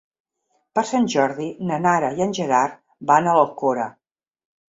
Per Sant Jordi na Nara i en Gerard van a l'Alcora.